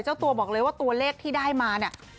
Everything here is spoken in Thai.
เจ้าตัวบอกเลยว่าตัวเลขที่ได้มาเนี่ย